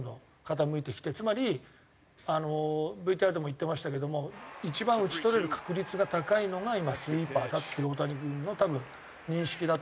つまりＶＴＲでも言ってましたけども一番打ち取れる確率が高いのが今スイーパーだって大谷君の多分認識だと思うので。